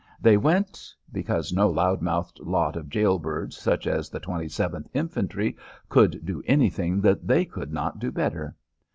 They went because no loud mouthed lot of jail birds such as the Twenty Seventh Infantry could do anything that they could not do better.